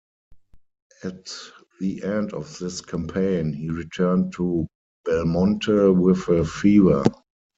At the end of this campaign he returned to Belmonte, with a fever.